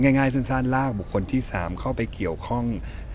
ง่ายสั้นลากบุคคลที่๓เข้าไปเกี่ยวข้อง